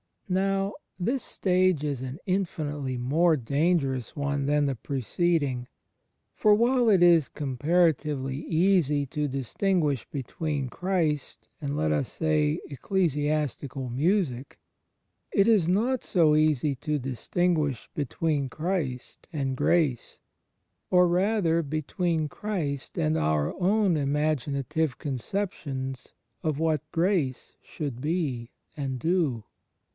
Now this stage is an infinitely more dangerous one than the preceding; for while it is comparatively easy to distinguish between Christ and, let us say, ecclesias tical music, it is not so easy to distinguish between Christ and grace — or rather between Christ and our own imaginative conceptions of what grace should be and do.